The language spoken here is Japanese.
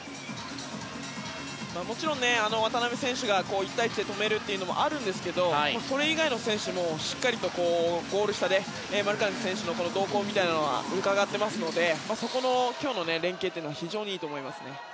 もちろん渡邊選手が１対１で止めるというのもあるんですがそれ以外の選手もしっかりとゴール下でマルカネン選手の動向みたいなものをうかがっていますのでそこの今日の連係は非常にいいと思います。